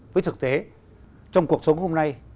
với thực tế trong cuộc sống hôm nay